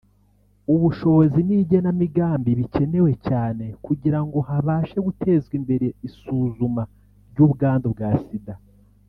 ubushobozi n’igenamigambi bikenewe cyane kugira ngo habashe gutezwa imbere isuzuma ry’ubwandu bwa Sida